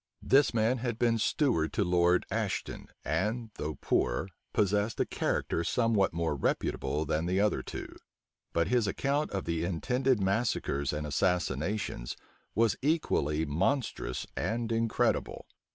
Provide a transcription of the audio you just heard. This man had been steward to Lord Aston, and, though poor, possessed a character somewhat more reputable than the other two: but his account of the intended massacres and assassinations was equally monstrous and incredible.